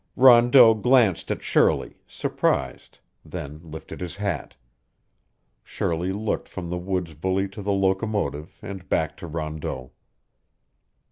Rondeau glanced at Shirley, surprised, then lifted his hat. Shirley looked from the woods bully to the locomotive and back to Rondeau.